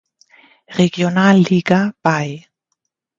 Regionalliga bei.